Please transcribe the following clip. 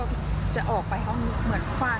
แล้วก็จะออกไปห้องหมือเหมือนกว้าง